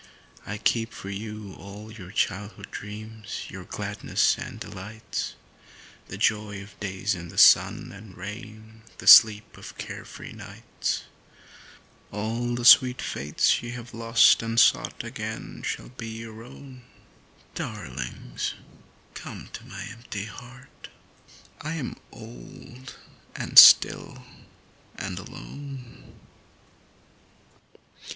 130 I keep for you all your childhood dreams, your glad ness and delights, The joy of days in the sun and rain, the sleep of care free nights, All the sweet faiths ye have lost and sought again shall be your own, Darlings, come to my empty heart — I am old and still and alone!